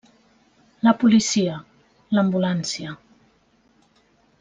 La policia, l'ambulància.